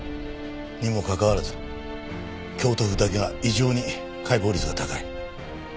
にもかかわらず京都府だけは異常に解剖率が高い。